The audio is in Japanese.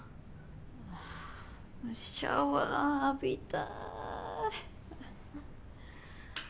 はぁシャワー浴びたい。